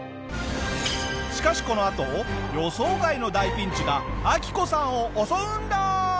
しかしこのあと予想外の大ピンチがアキコさんを襲うんだ！